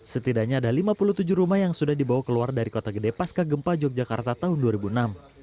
setidaknya ada lima puluh tujuh rumah yang sudah dibawa keluar dari kota gede pasca gempa yogyakarta tahun dua ribu enam